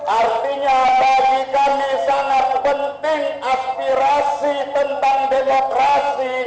artinya bagi kami sangat penting aspirasi tentang demokrasi